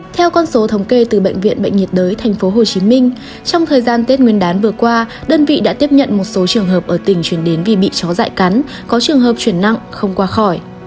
theo con số thống kê từ bệnh viện bệnh nhiệt đới tp hcm trong thời gian tết nguyên đán vừa qua đơn vị đã tiếp nhận một số trường hợp ở tỉnh chuyển đến vì bị chó dại cắn có trường hợp chuyển nặng không qua khỏi